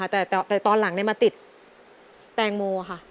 แต่ตอนหลังมาติดแตงโมค่ะ